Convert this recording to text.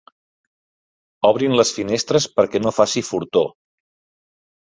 Obrin les finestres perquè no faci fortor.